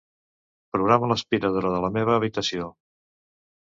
Programa l'aspiradora de la meva habitació.